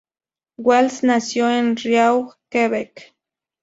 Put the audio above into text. Walsh nació en Rigaud, Quebec.